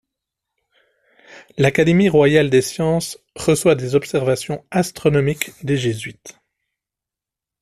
L'Académie royale des sciences reçoit des observations astronomiques des jésuites.